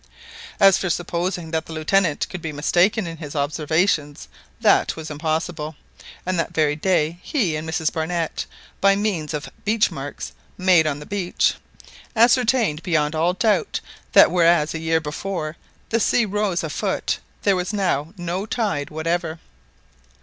As for supposing that the Lieutenant could be mistaken in his observations, that was impossible; and that very day he and Mrs Barnett, by means of beach marks made on the beach, ascertained beyond all doubt that whereas a year before the sea rose a foot, there was now no tide whatever.